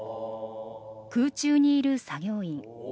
空中にいる作業員。